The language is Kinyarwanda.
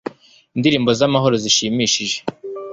Indirimbo zamahoro zishimishije